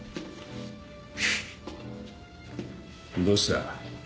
どうした？